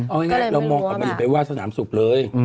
เออไงเรามองออกมาอย่าไปว่าสนามสุขเลย